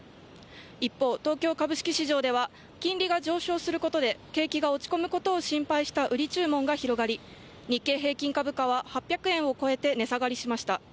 一方、東京株式市場では金利が上昇することで景気が落ち込むことを心配した売り注文が広がり日経平均株価は８００円を超えて値下がりしました。